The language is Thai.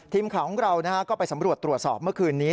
ทีมข่าวของเราก็ไปสำรวจตรวจสอบเมื่อคืนนี้